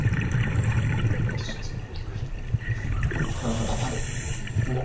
また食べてる！